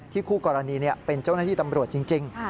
คู่กรณีเป็นเจ้าหน้าที่ตำรวจจริง